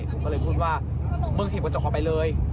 ผมก็เลยพูดว่ามึงถีบกระจกออกไปเลย